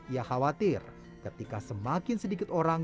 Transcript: ia khawatir ketika semakin sedikit orang